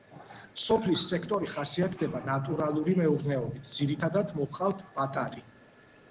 სოფლის სექტორი ხასიათდება ნატურალური მეურნეობით, ძირითადად მოჰყავთ ბატატი.